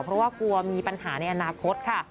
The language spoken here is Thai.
เพราะว่ากลัวมีปัญหาในอนาคตค่ะ